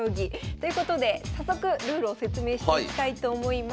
ということで早速ルールを説明していきたいと思います。